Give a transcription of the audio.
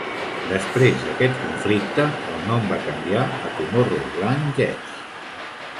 Després d'aquest conflicte, el nom va canviar a Tomorrowland Jets.